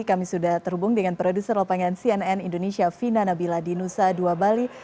kami sudah terhubung dengan produser lapangan cnn indonesia vina nabila di nusa dua bali